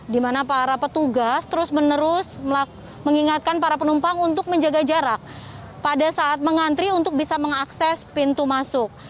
di mana para petugas terus menerus mengingatkan para penumpang untuk menjaga jarak pada saat mengantri untuk bisa mengakses pintu masuk